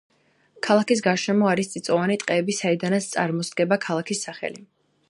ქალაქის გარშემო არის წიწვოვანი ტყეები, საიდანაც წარმოსდგება ქალაქის სახელი.